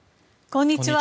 こんにちは。